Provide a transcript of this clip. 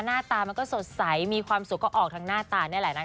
หน้าตามันก็สดใสมีความสุขก็ออกทางหน้าตานี่แหละนะคะ